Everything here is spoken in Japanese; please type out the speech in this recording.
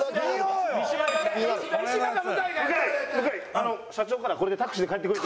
あの社長からこれでタクシーで帰ってくれ。